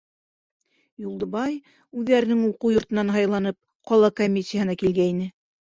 Юлдыбай, үҙҙәренең уҡыу йортонан һайланып, ҡала комиссияһына килгәйне.